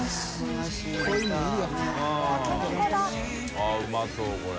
◆舛うまそうこれ。